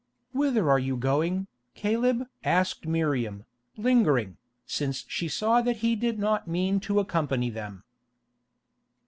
"Whither are you going, Caleb?" asked Miriam, lingering, since she saw that he did not mean to accompany them.